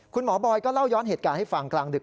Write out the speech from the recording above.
บอยก็เล่าย้อนเหตุการณ์ให้ฟังกลางดึก